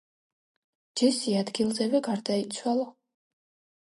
ჯესი ადგილზევე გარდაიცვალა.